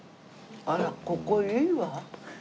あらここいいわすごく。